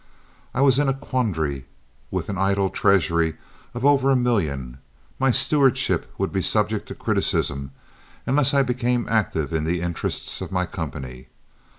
I was in a quandary; with an idle treasury of over a million, my stewardship would be subject to criticism unless I became active in the interests of my company.